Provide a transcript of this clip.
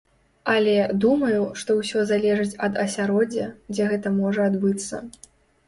Але, думаю, што ўсё залежыць ад асяроддзя, дзе гэта можа адбыцца.